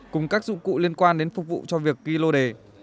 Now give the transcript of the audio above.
cùng các dụng cụ liên quan đến phục vụ cho việc ghi lô đề